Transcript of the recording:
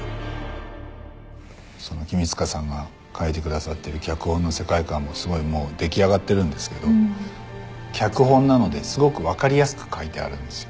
君塚さんが書いてくださってる脚本の世界観もすごい出来上がってるんですけど脚本なのですごく分かりやすく書いてあるんですよ。